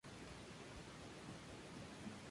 Sin embargo el matrimonio fue bastante infeliz.